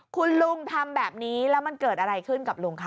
คุณลุงทำแบบนี้แล้วมันเกิดอะไรขึ้นกับลุงคะ